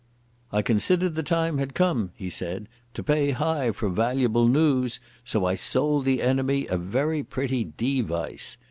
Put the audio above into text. "I considered the time had come," he said, "to pay high for valuable noos, so I sold the enemy a very pretty de vice.